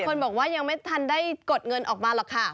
คนบอกว่ายังไม่ทันได้กดเงินออกมาหรอกค่ะ